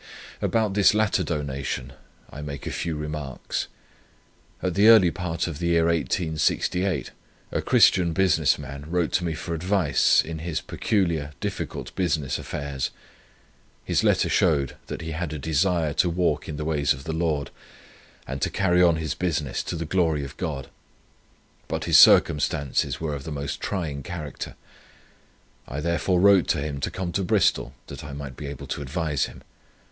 About this latter donation I make a few remarks. At the early part of the year 1868, a Christian business man wrote to me for advice in his peculiar difficult business affairs. His letter showed that he had a desire to walk in the ways of the Lord, and to carry on his business to the glory of God; but his circumstances were of the most trying character. I therefore wrote to him to come to Bristol, that I might be able to advise him.